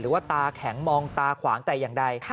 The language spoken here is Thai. ว่าตาแข็งมองตาขวางแต่อย่างใด